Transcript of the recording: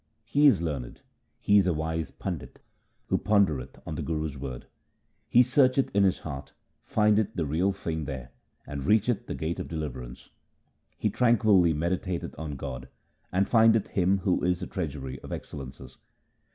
He is learned, he is a wise pandit who pondereth on the Guru's word : He searcheth in his heart, findeth the Real Thing there, and reacheth the gate of deliverance : He tranquilly meditateth on God, and findeth Him who is the treasury of excellences.